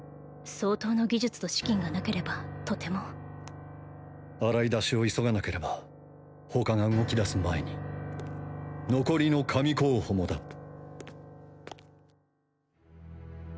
相当の技術と資金がなければとても洗い出しを急がなければ他が動きだす前に残りの神候補もだ